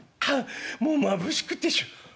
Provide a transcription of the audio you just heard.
もうまぶしくてしょう。